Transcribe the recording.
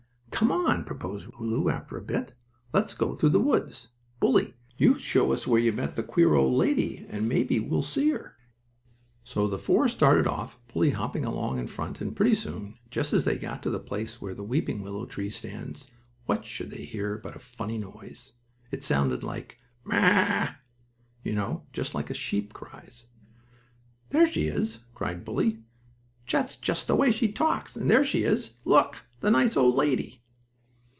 "Come on," proposed Lulu, after a bit, "let's go through the woods. Bully, you show us where you met the queer lady, and maybe we'll see her." So the four started off, Bully hopping along in front, and pretty soon, just as they got to the place where the weeping willow tree stands, what should they hear but a funny noise. It sounded like "Ma a a a a!" You know, just like a sheep cries. "There she is!" exclaimed Bully. "That's just the way she talks. And there she is! Look! The nice old lady!"